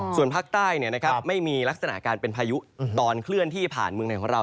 ส่วนภาคใต้ไม่มีลักษณะการเป็นพายุตอนเคลื่อนที่ผ่านเมืองไหนของเรา